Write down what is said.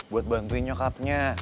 buat bantuin nyokapnya